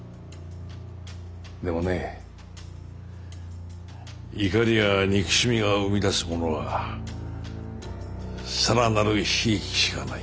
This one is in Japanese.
でもね怒りや憎しみが生み出すものは更なる悲劇しかない。